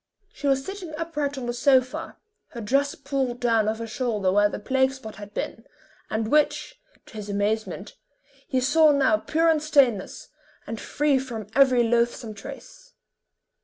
She was sitting upright on the sofa, her dress palled down off her shoulder where the plague spot had been, and which, to his amazement, he saw now pure and stainless, and free from every loathsome trace.